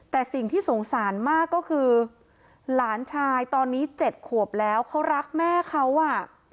แต่สิ่งที่สงสารมากก็คือหลานชายตอนนี้๗ขวบแล้วเขารักแม่เขาอ่ะ